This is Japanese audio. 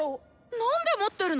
何で持ってるの？